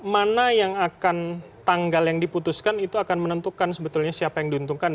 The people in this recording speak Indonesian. mana yang akan tanggal yang diputuskan itu akan menentukan sebetulnya siapa yang diuntungkan